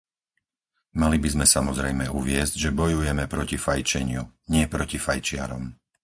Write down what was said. Mali by sme samozrejme uviesť, že bojujeme proti fajčeniu, nie proti fajčiarom.